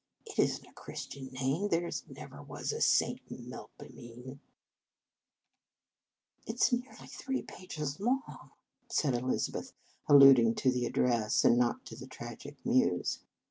" It is n t a Christian name. There never was a St. Melpomene." " It s nearly three pages long," said Elizabeth, alluding to the address, and not to the tragic Muse.